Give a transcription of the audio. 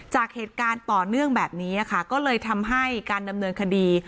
จากเหตุการณ์ต่อเนื่องแบบนี้ค่ะก็เลยทำให้การดำเนินคดี